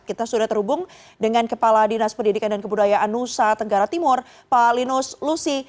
kita sudah terhubung dengan kepala dinas pendidikan dan kebudayaan nusa tenggara timur pak linus lusi